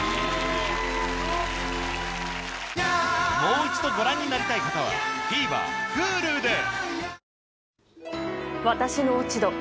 もう一度ご覧になりたい方はＴＶｅｒＨｕｌｕで！